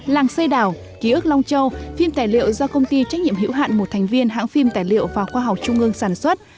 làng xây đảo ký ức long châu phim tài liệu do công ty trách nhiệm hữu hạn một thành viên hãng phim tài liệu và khoa học trung ương sản xuất